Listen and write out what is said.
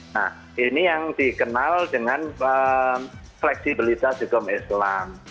nah ini yang dikenal dengan fleksibilitas hukum islam